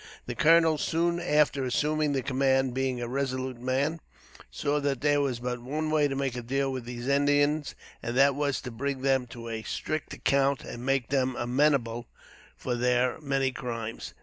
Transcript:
The colonel, soon after assuming the command, being a resolute man, saw that there was but one way to deal with these Indians, and that was to bring them to a strict account, and make them amenable for their many crimes.